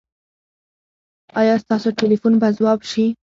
ایا ستاسو ټیلیفون به ځواب شي؟